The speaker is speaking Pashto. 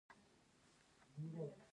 پښتو ته خدمت یوه ملي غوښتنه ده.